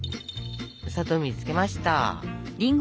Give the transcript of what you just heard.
砂糖水につけました。